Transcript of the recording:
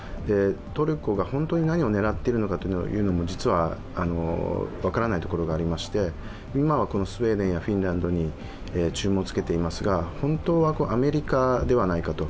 トルコが本当に何を狙っているのかも実は分からないところがありまして、今はスウェーデンやフィンランドに注文をつけていますが本当はアメリカではないかと。